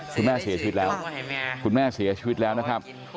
คุณแม่เสียชีวิตแล้วคุณแม่เสียชีวิตแล้วนะครับ